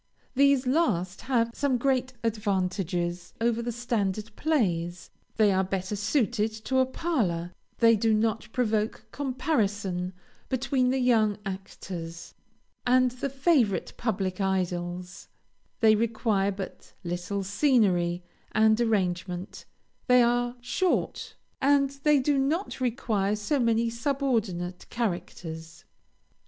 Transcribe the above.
These last have some great advantages over the standard plays; they are better suited to a parlor; they do not provoke comparison between the young actors, and the favorite public idols; they require but little scenery and arrangement; they are short; and they do not require so many subordinate characters.